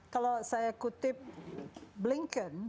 kalau saya kutip blinken